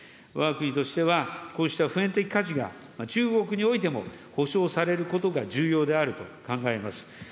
わが国としてはこうした普遍的価値が中国においても保障されることが重要であると考えます。